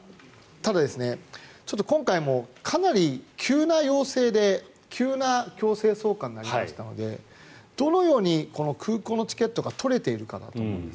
ただ、今回もかなり急な要請で急な強制送還になりましたのでどのように空港のチケットが取れているかなと思うんです。